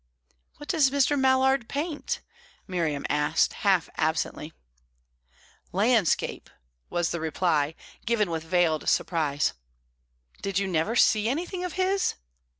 "What does Mr. Mallard paint?" Miriam asked, half absently. "Landscape," was the reply, given with veiled surprise. "Did you never see anything of his?"